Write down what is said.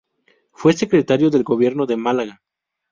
Fue Secretario del Gobierno de Málaga.